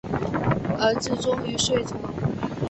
儿子终于睡着